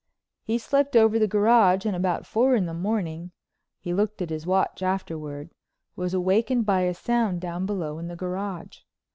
He slept over the garage, and about four in the morning—he looked at his watch afterward—was awakened by a sound down below in the garage.